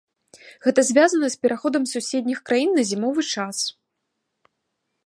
Гэта звязана з пераходам суседніх краін на зімовы час.